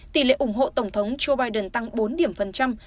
tỷ lệ ủng hộ tổng thống joe biden tăng bốn điểm phần trăm